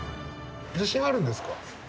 自信はあるんですか？